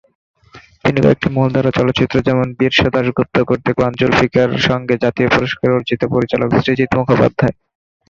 তিনি কয়েকটি মূলধারার চলচ্চিত্র যেমন বিরসা দাশগুপ্ত কর্তৃক ওয়ান, জুলফিকার সঙ্গে জাতীয় পুরস্কার অর্জিত পরিচালক সৃজিত মুখোপাধ্যায়।